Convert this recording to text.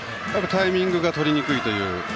タイミングがとりにくいという。